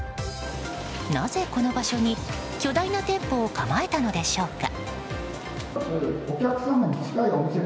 なぜ、この場所に巨大な店舗を構えたのでしょうか。